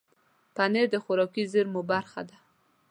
پنېر د خوراکي زېرمو برخه ده.